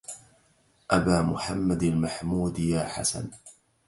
أبا محمد المحمود يا حسن